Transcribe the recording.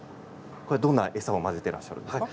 どんな餌を混ぜていらっしゃるんですか。